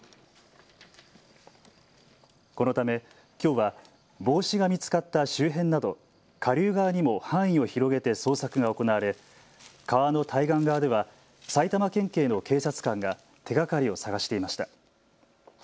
このため、きょうは帽子が見つかった周辺など下流側にも範囲を広げて捜索が行われ、川の対岸側では埼玉県警の警察官が手がかりを捜していました。